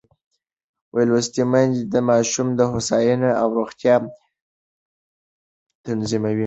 لوستې میندې د ماشوم هوساینه او روغتیا تضمینوي.